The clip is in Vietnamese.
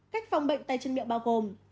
cách phòng bệnh tay chân miệng bao gồm